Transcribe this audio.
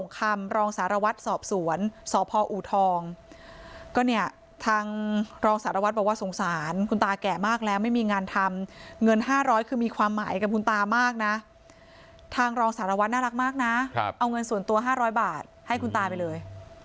ทางรองสารวัตรสอบสวนสพอแก่มากแล้วไม่มีงานทำเงิน๕๐๐คือมีความหมายกับคุณตามากนะทางรองสารวัตรน่ารักมากนะเอาเงินส่วนตัว๕๐๐บาทให้คุณตาไปเลย